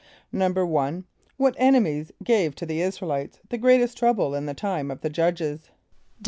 =1.= What enemies gave to the [)I][s+]´ra el [=i]tes the greatest trouble in the time of the judges?